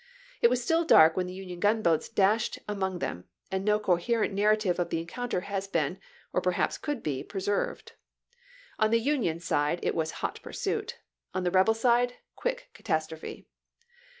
It was still dark when the Union gunboats dashed among them, and no coherent narrative of the encounter has been, or perhaps could be, preserved. On the Union side, it was hot pursuit ; on the rebel side, quick catastrophe.